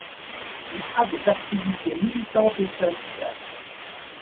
Il a des activités militantes et syndicale.